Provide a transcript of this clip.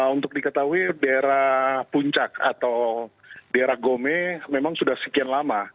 untuk diketahui daerah puncak atau daerah gome memang sudah sekian lama